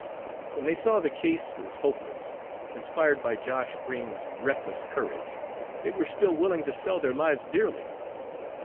When they saw the case was hopeless, inspired by Josh Green's reckless courage, they were still willing to sell their lives dearly.